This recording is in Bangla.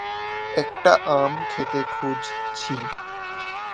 একটা আম খেতে খুঁজছি.